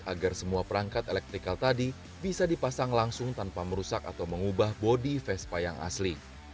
agar semua perangkat elektrikal tadi bisa dipasang langsung tanpa merusak atau mengubah bodi vespa yang asli